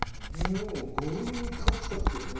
もう強引に飼っちゃうっていうのも。